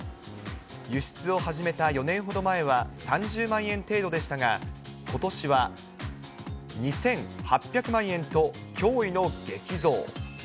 輸出を始めた４年ほど前は、３０万円程度でしたが、ことしは２８００万円と驚異の激増。